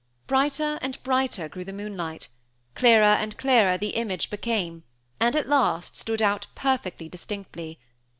Brighter and brighter grew the moonlight, clearer and clearer the image became, and at last stood out perfectly distinctly.